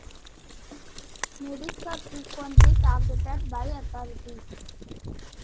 Medics are frequently targeted by authorities.